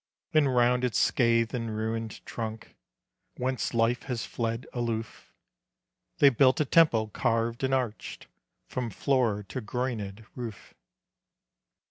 And round its scathed and ruined trunk, Whence life had fled aloof, They built a temple carved and arched From floor to groinèd roof.